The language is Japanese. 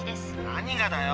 何がだよ。